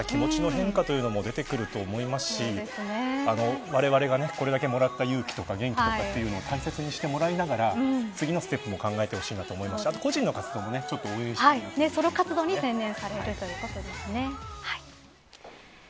休むことで、また気持ちの変化というのも出てくると思いますしわれわれが、これだけもらった勇気とか元気とかというのを大切にしてもらいながら次のステップも考えてほしいと思いましたし、個人の活動も応援したいなと思います。